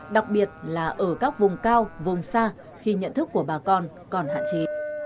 đặc biệt là ở các vùng cao vùng xa khi nhận thức của bà con còn hạn chế